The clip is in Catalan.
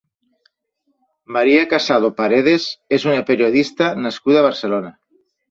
Maria Casado Paredes és una periodista nascuda a Barcelona.